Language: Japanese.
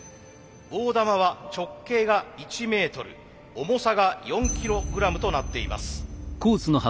大玉は直径が１ｍ重さが４ｋｇとなっています。